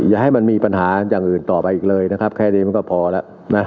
อย่าให้มันมีปัญหาอย่างอื่นต่อไปอีกเลยนะครับแค่นี้มันก็พอแล้วนะ